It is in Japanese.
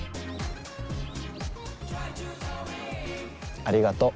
ありがとう。